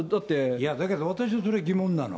いやだけど、それ、私も疑問なの。